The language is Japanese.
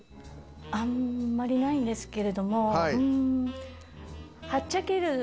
あんまりないんですけれども。